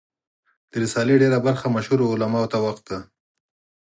د رسالې ډېره برخه مشهورو علماوو ته وقف ده.